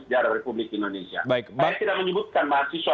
saya tidak menyebutkan mahasiswa dalam fiksi yang tadi adinda sebutkan